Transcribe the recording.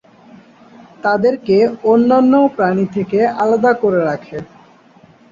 তাদেরকে অন্যান্য প্রাণী থেকে আলাদা করে রাখে।